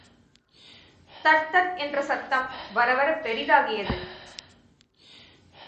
That தட் என்ற சத்தம் வரவரப் பெரிதாகியது.